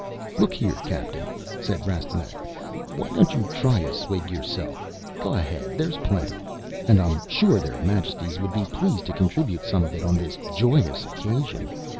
"Look here, captain," said Rastignac, "why don't you try a swig yourself? Go ahead. There's plenty. And I'm sure Their Majesties would be pleased to contribute some of it on this joyous occasion.